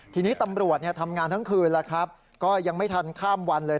ทีนี้ตำรวจทำงานทั้งคืนแล้วครับก็ยังไม่ทันข้ามวันเลย